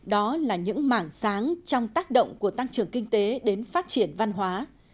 đó là những mảng sáng trong tác động của tăng trưởng kinh tế đến phát triển văn hóa